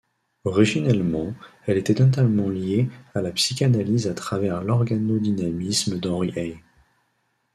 Originellement, elle était notamment liée à la psychanalyse à travers l'organodynamisme d'Henri Ey.